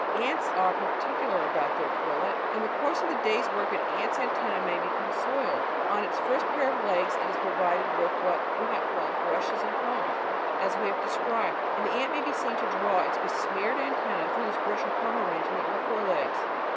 Ants are particular about their toilet. In the course of the day's work an ant's antenn® may be come soiled. On its first pair of legs it is provided with what we may call brushes and combs, as we have described, and the ant may be seen to draw its besmeared antennas through this brush and comb arrangement on the fore legs.